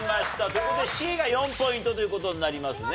という事でＣが４ポイントという事になりますね。